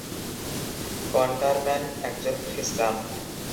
কনটারম্যান একজন খ্রিস্টান।